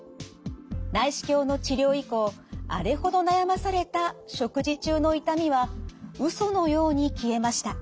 内視鏡の治療以降あれほど悩まされた食事中の痛みはうそのように消えました。